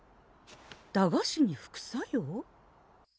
駄菓子に副作用？